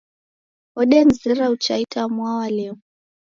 Odenizera ucha itamwaa walemwa.